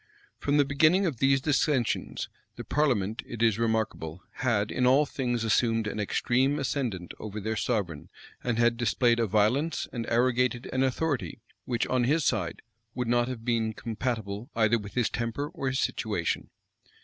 From the beginning of these dissensions, the parliament, it is remarkable, had in all things assumed an extreme ascendant over their sovereign, and had displayed a violence, and arrogated an authority, which, on his side, would not have been compatible either with his temper or his situation.